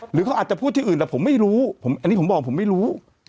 หรือเขาอาจจะพูดที่อื่นแต่ผมไม่รู้อันนี้ผมบอกผมไม่รู้